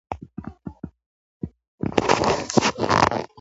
افغانستان د سرحدونه لپاره مشهور دی.